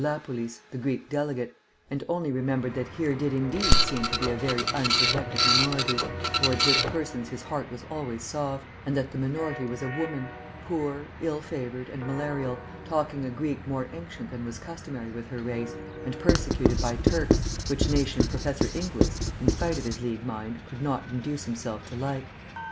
Lapoulis, the Greek delegate), and only remembered that here did indeed seem to be a very Unprotected Minority (towards which persons his heart was always soft), and that the Minority was a woman, poor, ill favoured, and malarial, talking a Greek more ancient than was customary with her race, and persecuted by Turks, which nation Professor Inglis, in spite of his League mind, could not induce himself to like.